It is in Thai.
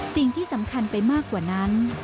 สิ่งที่สำคัญไปมากกว่านั้น